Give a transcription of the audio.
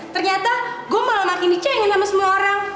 ternyata gue malah makin dicengin sama semua orang